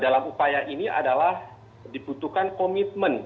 dalam upaya ini adalah dibutuhkan komitmen